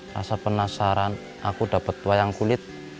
rasa penasaran aku dapat wayang kulit